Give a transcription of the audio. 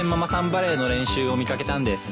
バレーの練習を見掛けたんです。